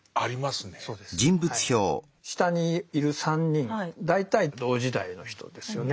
下にいる３人大体同時代の人ですよね。